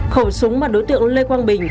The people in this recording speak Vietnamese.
khẩu súng mà đối tượng lê quang bình